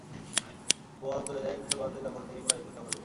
বল চলে যায় মুসলমানদের দখল থেকে কুরাইশদের দখলে।